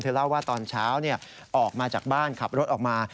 เล่าว่าตอนเช้าออกมาจากบ้านขับรถออกมา